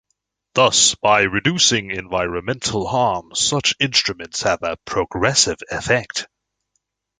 Thus by reducing environmental harm, such instruments have a progressive effect.